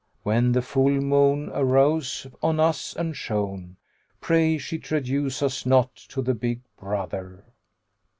When the full moon arose on us and shone * Pray she traduce us not to the big brother."